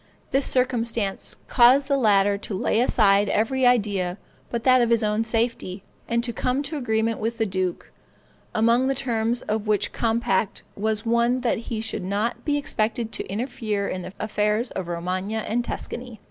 This circumstance caused the latter to lay aside every idea but that of his own safety, and to come to agreement with the duke; among the terms of which compact was one that he should not be expected to interfere in the affairs of Romagna and Tuscany.